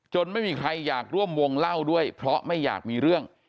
ไม่มีใครอยากร่วมวงเล่าด้วยเพราะไม่อยากมีเรื่อง